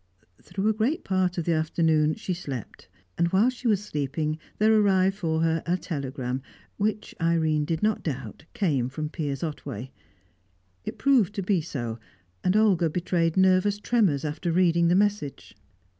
Through a great part of the afternoon, she slept, and whilst she was sleeping there arrived for her a telegram, which, Irene did not doubt, came from Piers Otway. It proved to be so, and Olga betrayed nervous tremors after reading the message.